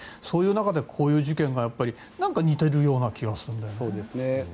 そういう中でこういう事件がやっぱり似てるような気がするんですよね。